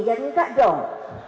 jadi gak dong